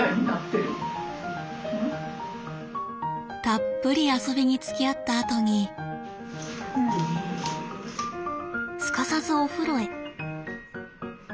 たっぷり遊びにつきあったあとにすかさずお風呂へ。